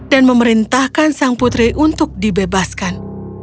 dan memerintahkan sang putri untuk dibebaskan